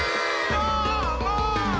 どーも！